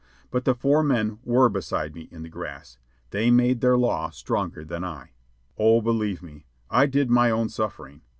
But the four men were beside me in the grass. They made their law stronger than I. Oh, believe me, I did my own suffering.